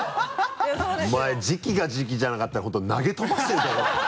お前時期が時期じゃなかったら本当投げ飛ばしてるとこだよ。